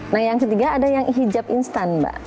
nah yang ketiga ada yang hijab instan mbak